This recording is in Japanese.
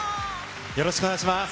よろしくお願いします。